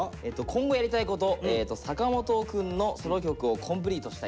今後やりたいこと坂本くんのソロ曲をコンプリートしたいです。